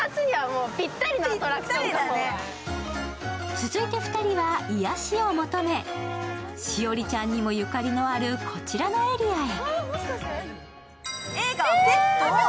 続いて２人は、癒やしを求め栞里ちゃんにもゆかりのある、こちらのエリアへ。